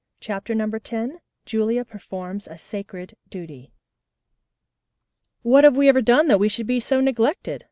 CHAPTER X JULIA PERFORMS A SACRED DUTY "What have we ever done that we should be so neglected?"